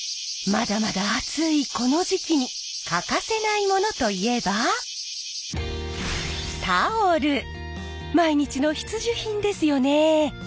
まだまだ暑いこの時期に欠かせないものといえば毎日の必需品ですよね？